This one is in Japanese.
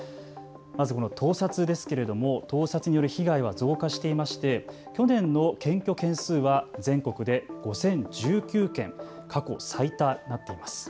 まずこの盗撮ですけれども盗撮による被害は増加していまして去年の検挙件数は全国で５０１９件と過去最多になっています。